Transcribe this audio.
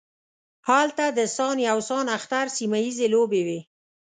هلته د سان یو سان اختر سیمه ییزې لوبې وې.